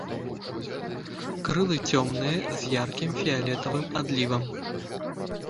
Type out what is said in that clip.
Крылы цёмныя з яркім фіялетавым адлівам.